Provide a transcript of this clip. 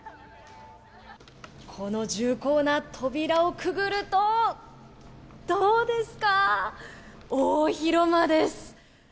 この重厚な扉をくぐると、どうですか、大広間です。